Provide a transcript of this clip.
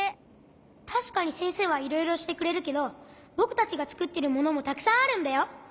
たしかにせんせいはいろいろしてくれるけどぼくたちがつくってるものもたくさんあるんだよ。